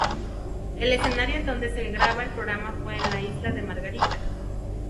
El escenario en donde se graba el programa fue en la Isla de Margarita.